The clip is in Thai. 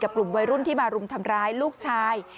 กลุ่มวัยรุ่นที่มารุมทำร้ายลูกชาย